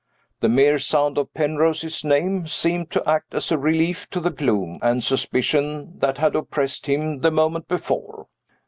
The mere sound of Penrose's name seemed to act as a relief to the gloom and suspicion that had oppressed him the moment before.